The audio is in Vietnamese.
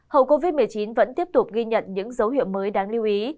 hậu covid một mươi chín vẫn tiếp tục ghi nhận những dấu hiệu mới đáng lưu ý